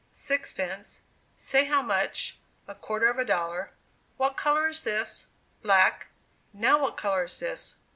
sixpence; "Say how much," a quarter of a dollar; "What color is this?" black; "Now what color is this?"